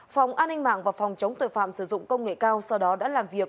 phòng an ninh mạng và phòng chống tội phạm sử dụng công nghệ cao sau đó đã làm việc